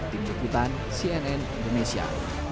tim jepitan cnn indonesia